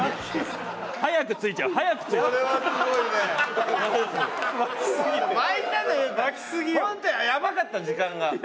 本当にやばかった時間が。